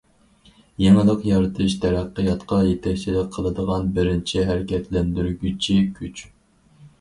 يېڭىلىق يارىتىش تەرەققىياتقا يېتەكچىلىك قىلىدىغان بىرىنچى ھەرىكەتلەندۈرگۈچى كۈچ.